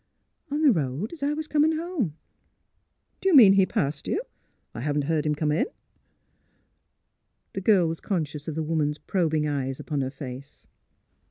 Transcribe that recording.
"*' On the road, as I was coming home." ON THE OLD ROAD 169 Do you mean he passed youf I haven't heard him come in." The girl was conscious of the woman's probing eyes upon her face.